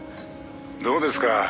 「どうですか？